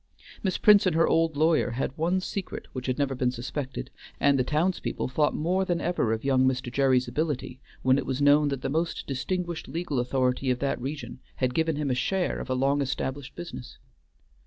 Miss Prince and her old lawyer had one secret which had never been suspected, and the townspeople thought more than ever of young Mr. Gerry's ability when it was known that the most distinguished legal authority of that region had given him a share of a long established business.